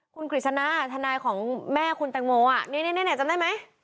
คุณกฤษณะทนายของแม่คุณแตงโมนี่จำได้ไหม